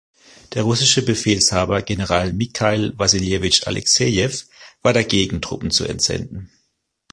Der russische Befehlshaber General Michail Wassiljewitsch Alexejew war dagegen, Truppen zu entsenden.